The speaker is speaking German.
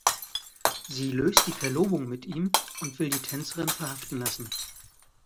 Sie löst die Verlobung mit ihm und will die Tänzerin verhaften lassen.